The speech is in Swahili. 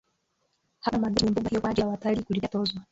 hakuna mageti kwenye mbuga hiyo kwa ajri ya watalii kulipia tozo